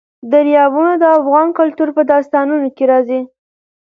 دریابونه د افغان کلتور په داستانونو کې راځي.